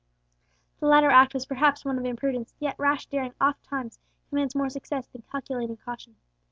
The latter act was perhaps one of imprudence; yet rash daring oftentimes commands more success than calculating caution.